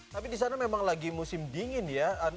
tapi di sana memang lagi musim dingin ya